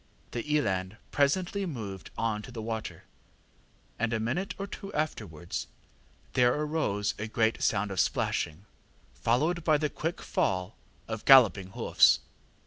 The eland presently moved on to the water, and a minute or two afterwards there arose a great sound of splashing, followed by the quick fall of galloping hoofs.